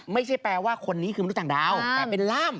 ไม่ใช่แปลว่าคนนี้คือมนุษย์ดาวแต่เป็นล่าม